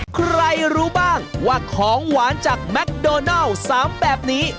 ใครรู้บ้างว่าของหวานจากแมคโดนัล๓แบบนี้